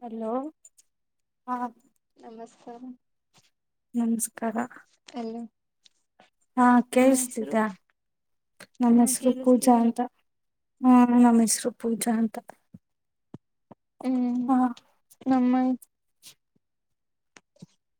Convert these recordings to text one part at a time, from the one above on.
Hello ಹಾ ನಮಸ್ಕಾರ ನಮಸ್ಕಾರ ಹ್ಂ ಹಾ ಕೇಳ್ಸ್ತಿದ್ದ ನನ್ನ್ ಚೆನ್ನಾಗಿ ಹೆಸರು ಪೂಜಾ ಕೇಳಿಸ್ತಿದೆ ಅಂತ. ಹ್ಮ್ ನಮ್ಮ ಹೆಸರು ಪೂಜಾ ಅಂತ. ಹ್ಮ್ ಹ ನಮ್ಮ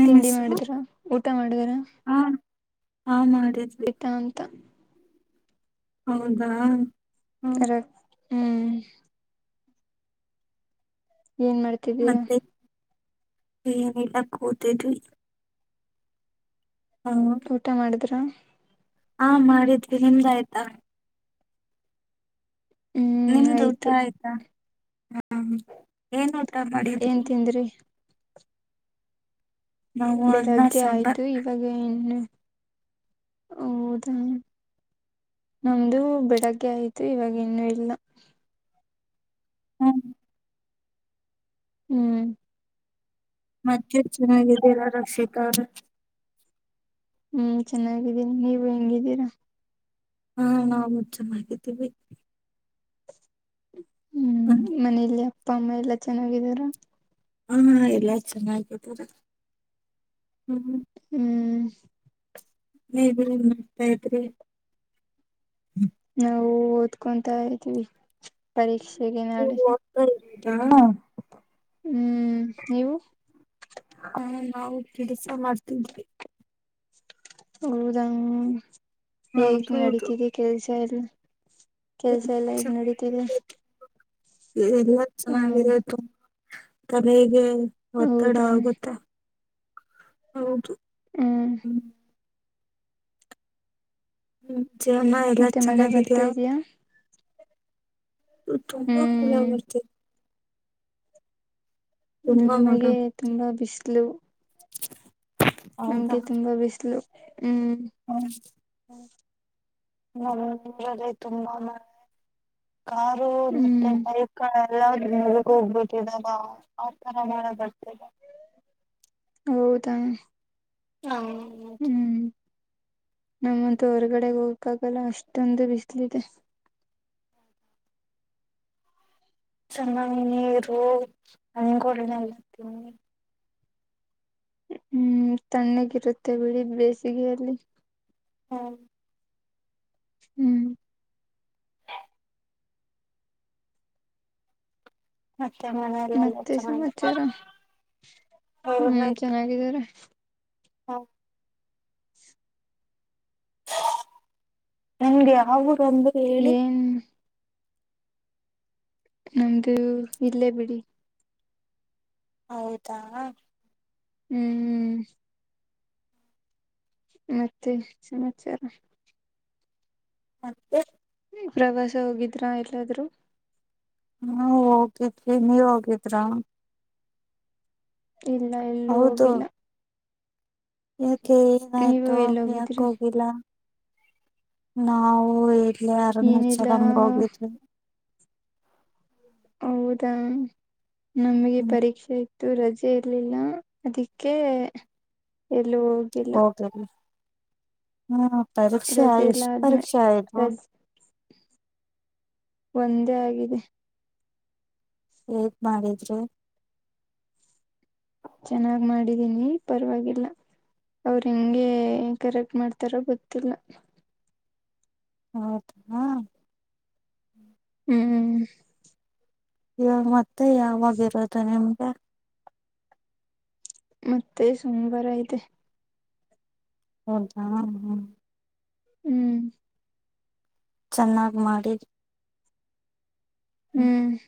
ನಿಮ್ ತಿಂಡಿ ಹೆಸರು ಮಾಡಿದ್ರ ಊಟ ಮಾಡಿದ್ರ. ಹ ಮಾಡಿ ಆಯ್ತಾ ಅಂತ ಹೌದಾ ಹ್ಮ್ ಅ ಹ್ಮ್ ಏನ್ ಮಾಡ್ತಿದ್ದೀರಾ ಮತ್ತೆ ಏನಿಲ್ಲ ಕೂತಿದ್ವಿ. ಹ್ಮ ಊಟ ಮಾಡಿದ್ರ. ಹಾ ಮಾಡಿದ್ವಿ ನಿಮ್ದಾಯ್ತಾ. ಹ್ಮ್ ನಿಮ್ದು ಊಟ ಆಯ್ತು ಆಯ್ತಾ ಹಾ ಏನ ಊ ಏನ್ ತಿಂದ್ರಿ. ನಾವು ಅನ್ನ ಬೆಳಗ್ಗೆ ಸಾಂಬಾರ್ ಆಯ್ತು ಇವಾಗ ಇನ್ನೂ. ಹೌದಾ ನಮ್ದು ಬೆಳಗ್ಗೆ ಆಯ್ತು ಇವಾಗ ಇನ್ನು ಇಲ್ಲ. ಹ್ಮ ಹ್ಮ್ ಮತ್ತೆ ಚೆನ್ನಾಗಿದ್ದೀರಾ ರಕ್ಷಿತಾ ಅವರೇ. ಹ್ಮ್ ಚೆನ್ನಾಗಿದ್ದೀನಿ ನೀವು ಹೆಂಗಿದ್ದೀರಾ. ಹಾ ನಾವು ಚೆನ್ನಾಗಿದ್ದೀವಿ. ಹ್ಮ್ ಮನೇಲಿ ಅಪ್ಪ ಅಮ್ಮ ಎಲ್ಲಾ ಚೆನ್ನಾಗಿದಾರ. ಹಾ ಎಲ್ಲಾ ಚೆನ್ನಾಗಿದರೆ ಹ್ಮ. ಹ್ಮ್ ನೀವ ಏನ ಮಾಡ್ತಾ ಇದ್ರಿ. ನಾವು ಓದ್ಕೊತಾ ಇದ್ದೀವಿ ಪರೀಕ್ಷೆಗೆ ನಾಳೆ. ಹಾ ಹ್ಮ್ ನೀವು ಹ ನಾವು ಕೆಲ್ಸ ಮಾಡ್ತಿದ್ವಿ. ಹೌದಂಗ ಹೇಗ್ ಹೌದೌದು ನಡಿತಿದೆ ಕೆಲ್ಸ ಎಲ್ಲ. ಕೆಲ್ಸ ಎಲ್ಲ ಹೇಗ್ ನಡೀತಿದೆ. ಎಲ್ಲ ಹ್ಮ್ ಚೆನ್ನಾಗಿದೆ ತಲೆಗೆ ಒತ್ತಡ ಹೌದಾ ಆಗುತ್ತೆ. ಹೌದು ಹ್ಮ್ ಹ್ಮ ಜಾಮಾ ಎಲ್ಲಾ ಮತ್ತೆ ಮಳೆ ಬರ್ತಾ ಚೆನ್ನಾಗಿದ್ಯಾ. ಇದಯಾ ತುಂಬಾ ಮಳೆ ಹ್ಮ್ ಬರ್ತಿದೆ. ತುಂಬಾ ಮಳೆ ನಮಗೆ ತುಂಬಾ ಬಿಸಿಲು. ನಮ್ಗೆ ತುಂಬಾ ಬಿಸಿಲು ಹ್ಮ್. ಹ್ಮ ನಮ್ಮ ಊರಲ್ಲಿ ತುಂಬಾ ಮಳೆ. ಕಾರು ಮತ್ತೆ ಹ್ಮ್ ಬೈಕ್ಗಳೆಲ್ಲ ನೀರಿಗೆ ಹೋಗ್ಬೇಕ್ ಇವಗ ಆತರ ಮಳೆ ಬರ್ತೈತ್. ಹೌದಾ, ಹ, ಹ್ಮ್. ನನ್ಗತು ಹೊರ್ಗಡೆಗೆ ಹೋಗಕ್ಕಾಗಲ್ಲ ಅಷ್ಟೊಂದು ಬಿಸಿಲ ಇದೆ. ಚೆನ್ನಾಗಿ ನೀರು ಹಣ್ಣುಗಳನೆಲ್ಲಾ ತಿನ್ನಿ. ಹ್ಮ್ ತಣ್ಣಗಿರುತ್ತೆ ಬಿಡಿ ಬೇಸಿಗೆಯಲ್ಲಿ. ಹಾಂ, ಹ್ಮ್. [inaudible] ಮತ್ತೆ ಮನೆಯಲ್ಲೆಲ್ಲ ಮತ್ತೆ ಸಮಾಚಾರ ಹ್ಮ್ ಚೆನ್ನಾಗಿದ್ದೀರಾ, ಹಾ, [inaudible] ನಿಮ್ದು ಯಾವ ಊರು ಅಂದ್ರಿ ಹೇಳಿ. ಏನ್ ನಮ್ದು ಇಲ್ಲೇ ಬಿಡಿ, ಹೌದಾ, ಹ್ಮ್, ಮತ್ತೆ ಸಮಾಚಾರ, [inaudible] ಪ್ರವಾಸ ಹೋಗಿದ್ರ ಎಲ್ಲಾದ್ರು. ಹಾ ಹೋಗಿದ್ವಿ ನೀವ ಹೋಗಿದ್ರಾ. ಇಲ್ಲ ಎಲ್ಲೂ ಹೌದು ಹೋಗಿಲ್ಲ. ಯಾಕೆ ನೀವು ಏನಾಯ್ತು, ಎಲ್ಲಿ ಯಾಕ ಹೋಗಿದ್ರಿ ಹೋಗಿಲ್ಲ, ನಾವು ಇಲ್ಲೇ ಏನಿಲ್ಲ ಅರುಣಾಚಲಂ ಹೋಗಿದ್ವಿ. ಹೌದಾ ನಮಗೆ ಹ್ಮ್ ಪರೀಕ್ಷೆ ಇ ತ್ತು ರಜೆ ಇರ್ಲಿಲ್ಲ ಅದಕ್ಕೆ ಎಲ್ಲೂ ಹೋಗಿಲ್ಲ.. ಹೋಗಿದ್ವಿ ಹ್ಮ ಪರೀಕ್ಷೆ ಎಷ್ಟ್ ರಜೆಲಾದ್ಮೇ ಪರೀಕ್ಷೆ ಆಯ್ತು ರಜ್ ಒಂದೇ ಆಗಿದೆ, ಹೇಗ್ ಮಾಡ್ರಿದ್ರು. ಚೆನ್ನಾಗ್ ಮಾಡಿದೀನಿ ಪರವಾಗಿಲ್ಲ. ಅವ್ರ ಹೆಂಗೆ ಕರೆಕ್ಟ್ ಮಾಡ್ತಾರೋ ಗೊತ್ತಿಲ್ಲ. ಹೌದು ಹ್ಮ ಹ್ಮ್. ಇವಾಗ ಮತ್ತೆ ಯಾವಾಗ ಇರೋದು ನಿಮ್ ಮತ್ತೆ ಸೋಮವಾರ ಐತೆ, ಹೌದಾ ಹ್ಮ, ಹ್ಮ್ ಹ್ಮ್, ಚೆನ್ನಾಗ್ ಮಾಡಿದ, ಹ್ಮ್,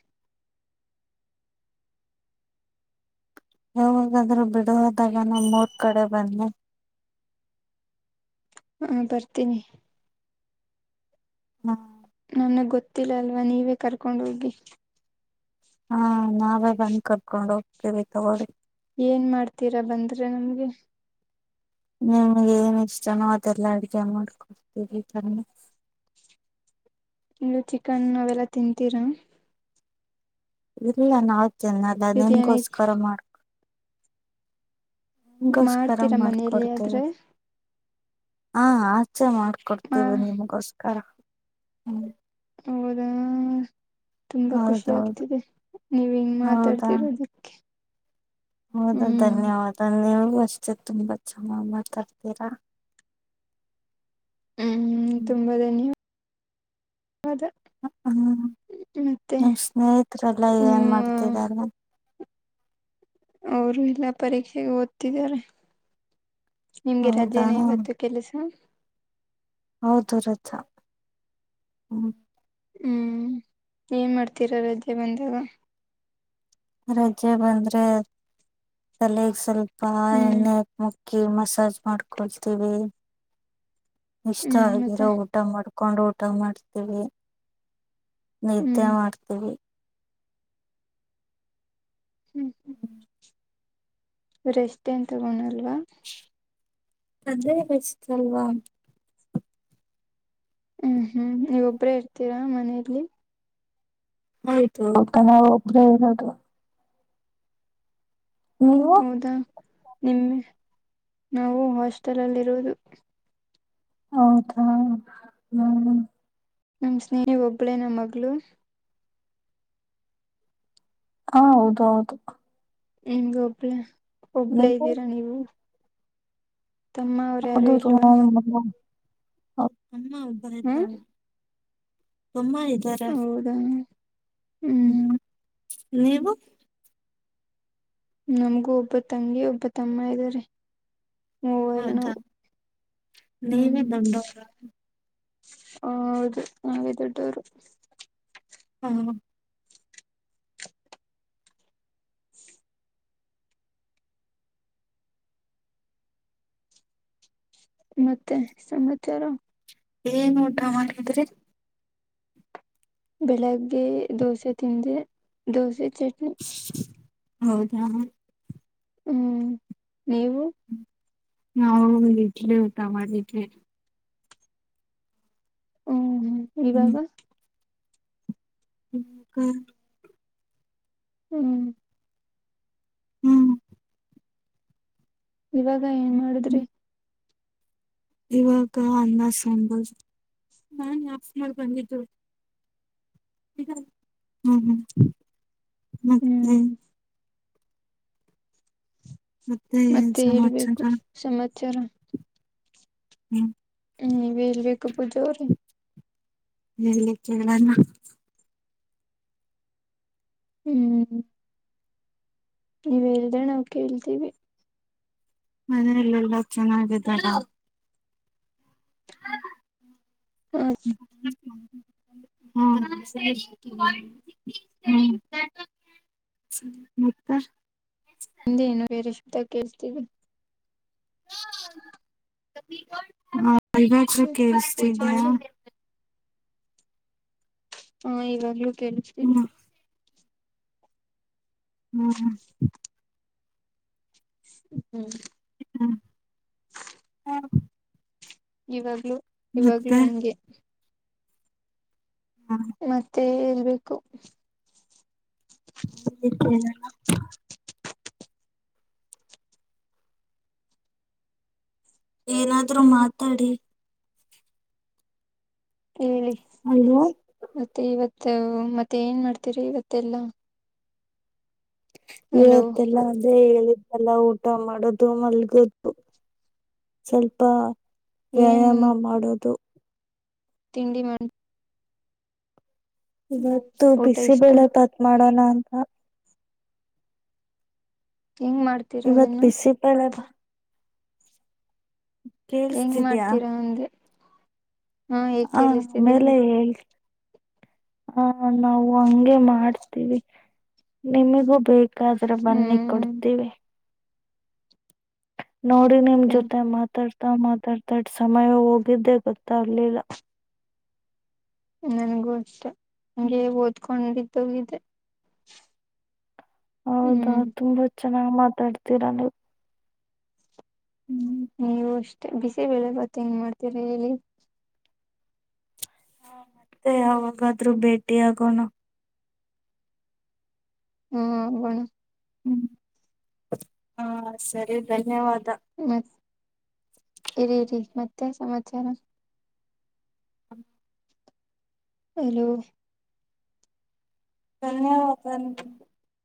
ಯಾವಾಗಾದ್ರೂ ಬಿಡುವದಾಗ ನಮ್ಮೋರ್ ಕಡೆ ಬನ್ನಿ. ಹಾ ಬರ್ತೀನಿ. ಹಾ, ನನಗ್ ಗೊತ್ತಿಲ್ಲ ಅಲ್ವಾ ನೀವೇ ಕರ್ಕೊಂಡ ಹೋಗಿ. ಹಾ ನಾವೇ ಬಂದ್ ಕರ್ಕೊಂಡ್ ಹೋಗ್ತೀವಿ. ತಗೋಳಿ, ಏನ್ ಮಾಡ್ತೀರಾ ಬಂದ್ರೆ ನಮ್ಗೆ, ನಿಮ್ಗೆ ಏನ್ ಇಷ್ಟನೋ ಅದೆಲ್ಲ ಅಡ್ಗೆ ಮಾಡ್ಕೊಡ್ತೀವಿ ಬನ್ನಿ. ಇನ್ನು ಚಿಕನ್ ಅವೆಲ್ಲಾ ತಿಂತೀರಾ, ಇಲ್ಲ ನಾವ್ ತಿನ್ನಲ್ಲ ಬಿರಿಯಾನಿ ನಿಮ್ಗೋಸ್ಕರ ಮಾಡ್ಕ, ನಿಮ್ ಗೋಸ್ಕರ ಮಾಡ್ತೀರಾ ಮನೆಯಲ್ಲಿ ಮಾಡ್ಕೊಡ್ತೇವಿ. ಆದ್ರೆ ಹಾ ಆಚೆ ಮಾ ಮಾಡ್ಕೊಡ್ತೇವಿ ನಿಮ್ಗೋಸ್ಕರ. ಹ್ಮ್ ಹೌದ, ತುಂಬಾ ಖುಷಿ ಹೌದೌದು ಆಗ್ತಿದೆ ನೀವ್ ಹಿಂಗ್ ಹೌದಾ ಮಾತಾಡ್ತಿರೋದಿಕ್ಕೆ ಹೌದಾ ಧನ್ಯವಾದ ನೀವು ಅಷ್ಟೇ ತುಂಬಾ ಚೆನ್ನಾಗ್ ಮಾತಾಡ್ತೀರಾ ಹ್ಮ್್ಮ ಹ್ಮ್ ತುಂಬಾ ಧನ್ಯವಾದ ವಾದ ಹ್ಮ್ ನನ್ ಸ್ನೇಹಿತ್ರೆಲ್ಲ ಏನ್ ನಿಮ್ಮ ಮಾಡ್ತಿದ್ದಾರೆ ಅವರು ಇಲ್ಲೆ ಪರೀಕ್ಷೆಗೆ ಓದ್ತಿದ್ದಾರೆ ನಿಮ್ಗೆ ರಜೇನ ಹೌದಾ ಇವತ್ತು ಕೆಲ್ಸ ಹೌದು ರಜ ಹ್ಮ್ ಹ್ಮ್ ಏನ್ ಮಾಡ್ತೀರಾ ರಜೆ ಬಂದಾಗ ರಜೆ ಬಂದ್ರೆ ತಲೆಗ್ ಸ್ವಲ್ಪ ಹ್ಮ್ ಎಣ್ಣೆ ಹಾಕಿ ಮಸಾಜ್ ಮಾಡ್ಕೊಳ್ತೀವಿ ಇಷ್ಟ ಹ್ಮ್ ಮತ್ತೆ ಆಗಿರೋ ಊಟ ಮಾಡ್ಕ ಹಕೊಂಡ ಊಟ ಮಾಡ್ತೀವಿ ನಿದ್ದೆ ಹ್ಮ್ ಮಾಡ್ತೀವಿ ಹ್ಮ್ ರೆಸ್ಟ್ ಎನ್ ತಗೋಳಲ್ವಾ ಅದೇ ವಚ [unintelligible] ತಲ್ವಾ ಹ್ಮ್ ಹ್ಮ್ ನೀವೊಬ್ರೇ ಇರ್ತೀರಾ ಮನೆಯಲ್ಲಿ ಆಯ್ತು ತ ನಾವು ಒಬ್ರೇ ಇರೋದು ನೀವು ನಿಮ್ಮೆ ನಾವು ಹಾಸ್ಟೆಲ್ ಅಲ್ಲಿ ಇರೋದು ಹೌದಾ ಹ್ಮ್ ನಮ್ಮ ಸ್ನೇಹಿ ಒಬ್ಬಳೇನ ಮಗಳು ಹಾ ಹೌದು ಹೌದು ಹ [unintelligible] ಒಬ್ಳೇ ಒಬ್ಳೇ ನೀವು ಇದ್ದೀರಾ ನೀವು ತಮ್ಮ ಅವ್ರು ಹೌದು ಯಾರು ಇಲ್ವಾ ಹಾ [unintelligible] [unintelligible] ಅಮ್ಮ ಇದ್ದಾರ ಹೌದಾ ಹ್ಮ್ ನೀವು ನಮಗೂ ಒಬ್ಬ ತಂಗಿ ಒಬ್ಬ ತಮ್ಮ ಇದ್ದಾರೆ ಮೂವರು ಹೌದಾ ನಾವು ನೀವೇ ಹ್ಮ್ ದೊಡ್ಡವ್ರ ಹೌದು ನಾವೇ ದೊಡ್ಡವರು ಹ್ಮ ಮತ್ತೆ ಸಮಾಚಾರ ಏನ್ ಊಟಾ ಮಾಡಿದ್ರಿ ಬೆಳಗ್ಗೆ ದೋಸೆ ತಿಂದೆ ದೋಸೆ ಚಟ್ನಿ ಹೌದಾ ಹ್ಮ್ ನೀವು ನಾ ಇಡ್ಲಿ ಊಟ ಮಾಡಿದ್ವಿ ಹ್ಮ್ ಹ್ಮ್ ಇವಾಗ ಹ್ಮ ಹ್ಮ [unintelligible] ಹ್ಮ್ ಹ್ಮ್ ಇವಾಗ ಏನ್ ಮಾಡಿದ್ರಿ ಹ್ಮ್. ಇವಾಗ ಅನ್ನ ಸಾಂಬಾರ್ ನಾನ್ ಆಫ್ ಮಾಡಿ ಬಂದಿದು ಹ್ಮ್ ಹ್ಮ್ ಮತ್ತೆ ಹ್ಮ್ ಏನ್ ಮತ್ತೆ ಹೇಳ್ಬೇಕು ಸಮಾಚಾರ ಸಮಾಚಾರ ಹ್ಮ್ ಹ್ಮ್ ನೀವೇ ಹೇಳ್ಬೇಕಪ್ಪ ಜೋರು ಹೇಳಿ ಕೇಳೋಣ ಹ್ಮ್ ನೀವ ಹೇಳಿದ್ರೆ ನಾವು ಕೇಳ್ತೀವಿ ಮನೆಯಲ್ಲೆಲ್ಲ ಚೆನ್ನಾಗಿದ್ದಾರ ಹ್ಮ ಚನ್ನ [unintelligible] ಹ್ಮ್ [unintelligible] ಮತ್ತ ಹಿಂದೇನೊ ಬೇರೆ ಶಬ್ದ ಕೇಳಸ್ತಿದೆ ಹ [unintelligible] ಬೇಕು ಪೂಜಾ ಕೇಳಸ್ತದಿಯಾ ಅವ್ರೆ ಹಾ ಇವಾಗಲೂ ಕೇಳಸ್ತೀದೆ ಹ್ಮ್ ಹ್ಮ್ ಹ್ಮ ಹ್ಮ್ ಹ್ಮ ಹ ಇವಾಗ್ಲೊ ಇವಾಗ್ಲೊ ಹಂಗೆ ಮತ್ತೆ ಹೇಳ್ಬೇಕು [inaudible] ಏನಾದ್ರೂ ಮಾತಾಡಿ ಹೇಳಿ ಅಲ್ವಾ ಮತ್ತೆ ಇವತ್ತು ಮತ್ತೆ ಏನ್ ಮಾಡ್ತೀರಿ ಇವತ್ತೆಲ್ಲ ಇವತ್ತೆಲ್ಲ ಅಂದ್ರೆ ಹೇ ಇರುತ್ತಲ್ಲ ಊಟ ಮಾಡೋದು ಮಲ್ಗೋದು ಸ್ವಲ್ಪ ಏನ್ ವ್ಯಾಯಾಮ ಮಾಡೋದು ತಿಂಡಿ ಮಾಡ ಇವತ್ತು ಊಟ ಇಷ್ಟ ಬಿಸಿಬೇಳೆ ಬಾತ್ ಮಾಡೋಣ ಅಂತ ಹೆಂಗ್ ಮಾಡ್ತೀರಾ ಇವತ್ ಅದನ್ನ ಬಿಸಿ ಬೇಳೆ ಬಾತ್ ಹೆಂಗ್ ಕೇಳಸ್ತಿದಿಯಾ ಮಾಡ್ತೀರಾ ಅಂದೆ ಹಾ ಹೇಗ್ ಹ ಕೇಳಿಸ್ತಿದೆ ಮೇಲೆ ಹೇಳಿ ಹಾ ನಾವು ಹಂಗೆ ಮಾಡ್ತಿವಿ ನಿಮಿಗೂ ಬೇಕ ಆದ್ರೆ ಬನ್ನಿ ಹ್ಮ್ ಕೊಡ್ತೀವಿ ನೋಡಿ ನಿಮ ಜೊತೆ ಮಾತಾಡ್ತಾ ಮಾತಾಡ್ತಾ ಸಮಯ ಹೋಗಿದ್ದೆ ಗೊತ್ತಾಗ್ಲಿಲ್ಲ ನನ್ಗೂ ಅಷ್ಟೇ ಹಂಗೆ ಓದ್ಕೊಂಡಿದ್ದಿದೊಗಿದೆ ಹೌದಾ ತುಂಬಾ ಚೆನ್ನಾಗ್ ಮಾತಾಡ್ತೀರ ನೀವು ಹ್ಮ್, ನೀವು ಅಷ್ಟೇ ಬಿಸಿಬೇಳೆ ಬಾತ್ ಹೆಂಗ ಮಾಡ್ತೀರ ಹೇಳಿ ಹ ಮತ್ತೆ ಅವಾಗಾದ್ರೂ ಭೇಟಿಯಾಗೋಣ ಹ್ಮ ಹೋಗೋಣ ಹ್ಮ್ ಹಾ ಸರಿ ಧನ್ಯವಾದ ಮತ್ ಇರಿ ಇರಿ ಮತ್ತೆನ ಸಮಾಚಾರ ಹಲೋ ಧನ್ಯವಾದ